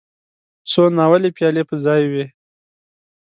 څو ناولې پيالې په ځای وې.